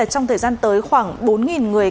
trong thời gian tới khoảng bốn người